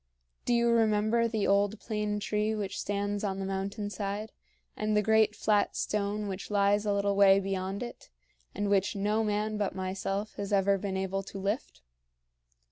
Do you remember the old plane tree which stands on the mountain side, and the great flat stone which lies a little way beyond it, and which no man but myself has ever been able to lift?